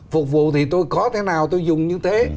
phục vụ thì tôi có thế nào tôi dùng như thế